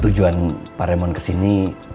tujuan pak remon kesini